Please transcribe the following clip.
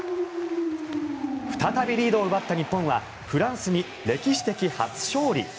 再びリードを奪った日本はフランスに歴史的初勝利。